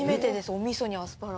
お味噌にアスパラ。